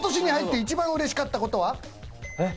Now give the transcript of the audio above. えっ？